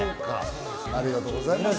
ありがとうございます。